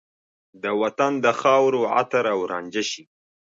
د وطن د خاورو عطر او رانجه شي